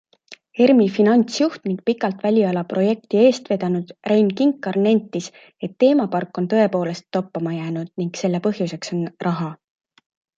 ERMi finantsjuht ning pikalt väliala projekti eest vedanud Rein Kinkar nentis, et teemapark on tõepoolest toppama jäänud ning selle põhjuseks on raha.